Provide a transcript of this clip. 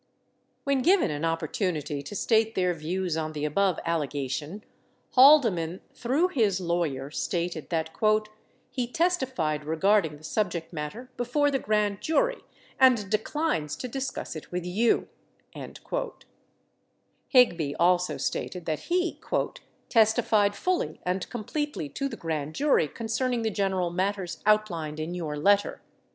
When given an opportunity to state their views on the above allega tion, Haldeman, through his lawyer, stated that, "he testified regard ing the subject matter before the grand jury ... and declines to discuss it with you." Higby also stated that he "testified fully and completely to the grand jury concerning the general matters outlined in your letter."